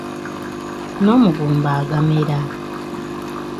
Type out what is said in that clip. N'omugumba agamera.